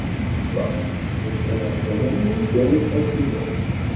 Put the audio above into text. Yuba yella yeqqim ar tama n Wrida n At Qasi Muḥ.